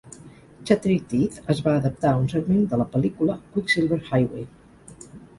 "Chattery Teeth" es va adaptar a un segment de la pel·lícula "Quicksilver Highway".